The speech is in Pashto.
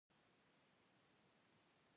ته کوم کارونه په خپل وخت کې کوې؟